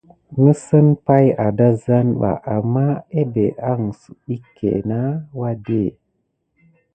Nǝsen paï ah dazan ɓa, ammah ebé ahǝn sidike nah wade.